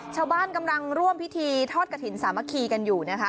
ชาวบ้านกำลังร่วมพิธีทอดกระถิ่นสามัคคีกันอยู่นะคะ